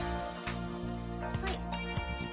はい。